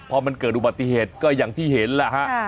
พอมันเกิดอุบัติเหตุก็อย่างที่เห็นแหละฮะ